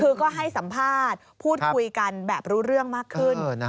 คือก็ให้สัมภาษณ์พูดคุยกันแบบรู้เรื่องมากขึ้น